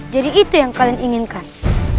jadi itu yang kalian inginkan